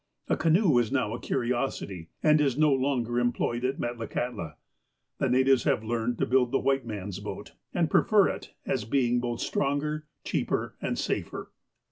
A canoe is now a curiosity, and is no longer employed at Metlakahtla. The natives have learned to build the white man's boat, and prefer it, as beiug both stronger, cheaper, and safer.